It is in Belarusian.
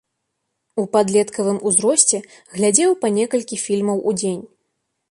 У падлеткавым узросце глядзеў па некалькі фільмаў у дзень.